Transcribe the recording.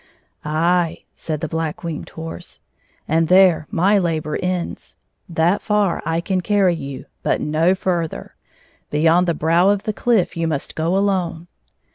"Aye," said the Black Winged Horse, "and there my labor ends. That far I can carry you, but no fiirther. Beyond the brow of the cliff you must go alone."